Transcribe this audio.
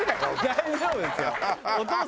大丈夫ですよ。